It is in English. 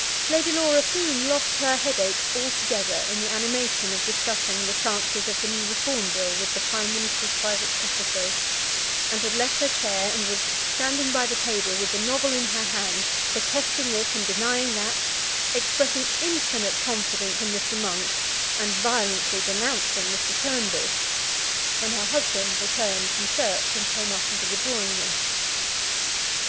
Lady Laura soon lost her headache altogether in the animation of discussing the chances of the new Reform Bill with the Prime Minister's private secretary; and had left her chair, and was standing by the table with the novel in her hand, protesting this and denying that, expressing infinite confidence in Mr. Monk, and violently denouncing Mr. Turnbull, when her husband returned from church and came up into the drawing room.